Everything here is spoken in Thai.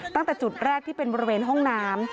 ตั้งแต่จุดแรกที่เป็นบริเวณห้องน้ำ